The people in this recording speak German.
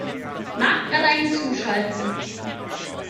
Nachbrenner hinzuschalten!